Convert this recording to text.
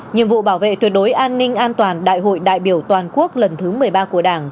nhiệm vụ bảo vệ tuyệt đối an ninh an toàn đại hội đại biểu toàn quốc lần thứ một mươi ba của đảng